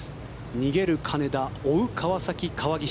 逃げる金田、追う川崎、川岸。